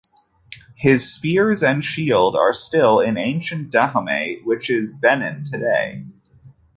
His spears and shield are still in ancient Dahomey which is Benin today.